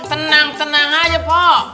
tenang tenang aja mpo